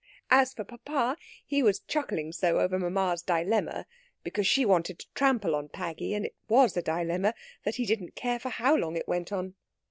As for papa, he was chuckling so over mamma's dilemma because she wanted to trample on Paggy, and it was a dilemma that he didn't care how long it went on.